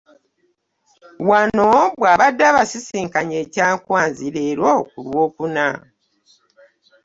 Wano bw'abadde abasisinkanye e Kyankwanzi leero ku Lwokuna